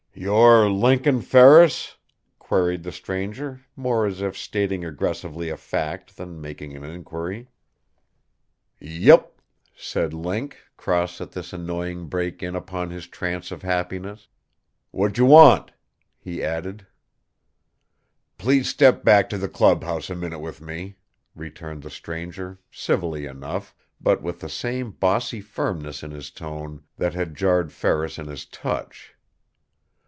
"You're Lincoln Ferris?" queried the stranger, more as if stating aggressively a fact than making an inquiry. "Yep," said Link, cross at this annoying break in upon his trance of happiness. "What d'j' want?" he added. "Please step back to the clubhouse a minute with me," returned the stranger, civilly enough, but with the same bossy firmness in his tone that had jarred Ferris in his touch.